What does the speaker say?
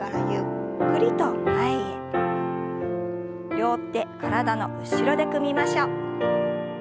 両手体の後ろで組みましょう。